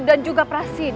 dan juga prasidi